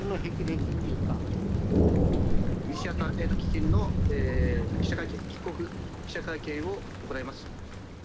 ミニシアター・エイド基金の記者会見キックオフ記者会見を行います。